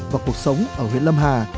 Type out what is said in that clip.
vào cuộc sống ở huyện lâm hà